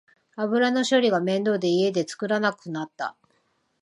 油の処理が面倒で家で作らなくなった